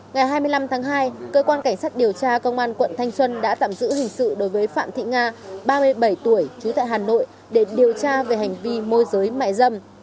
ngày hai mươi năm tháng hai cơ quan cảnh sát điều tra công an quận thanh xuân đã tạm giữ hình sự đối với phạm thị nga ba mươi bảy tuổi trú tại hà nội để điều tra về hành vi môi giới mại dâm